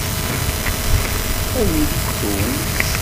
Ad myettun.